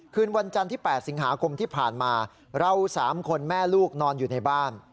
คืนวันจันทร์ที่๘สิงหาคมที่ผ่านมาเรา๓คนแม่ลูกนอนอยู่ในบ้าน